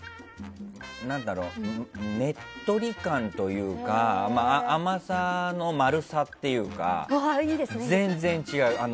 ねっとり感というか甘さの丸さというか全然、違う。